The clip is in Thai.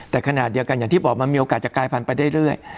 แต่ขณะเดียวกันอย่างที่บอกมันมีโอกาสจะกลายพันธุไปเรื่อย